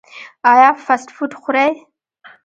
ایا فاسټ فوډ خورئ؟